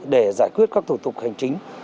để giải quyết các thủ tục hành chính